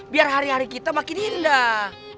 biar hari hari kita makin indah